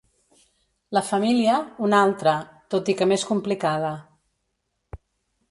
La família, una altra, tot i que més complicada.